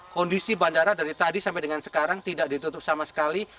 kondisi bandara dari tadi sampai dengan sekarang tidak ditutup sama sekali